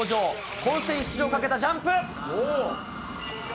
本戦出場をかけたジャンプ。